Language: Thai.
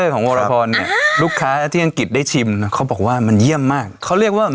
ของวรพรเนี่ยลูกค้าและที่อังกฤษได้ชิมนะเขาบอกว่ามันเยี่ยมมากเขาเรียกว่า